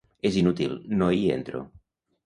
És inútil: no hi entro.